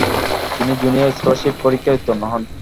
তিনি junior scholarship পরীক্ষায় উত্তীর্ণ হন।